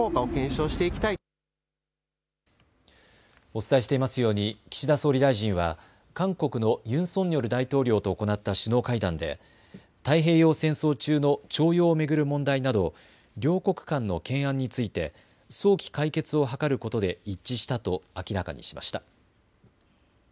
お伝えしていますように岸田総理大臣は韓国のユン・ソンニョル大統領と行った首脳会談で太平洋戦争中の徴用を巡る問題など両国間の懸案について早期解決を図ることで一致したと明らかにしました。